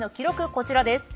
こちらです。